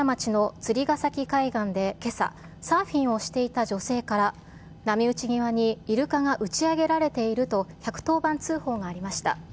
一宮町の釣ヶ崎海岸でけさ、サーフィンをしていた女性から、波打ち際にイルカが打ち上げられていると１１０番通報がありました。